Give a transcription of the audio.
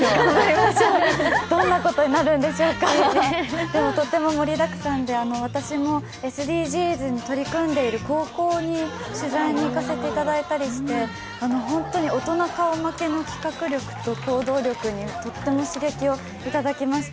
どんなことになるんでしょうかでも、とても盛りだくさんで、私もＳＤＧｓに取り組んでいる高校に取材に行かせていただいたりして本当に大人顔負けの企画力と行動力にとっても刺激をいただきました。